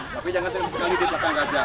tapi jangan sekali s sekali di belakang gajah